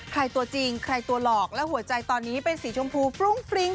ตัวจริงใครตัวหลอกและหัวใจตอนนี้เป็นสีชมพูฟรุ้งฟริ้ง